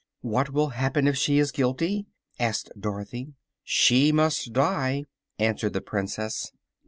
"What will happen if she is guilty?" asked Dorothy. "She must die," answered the Princess.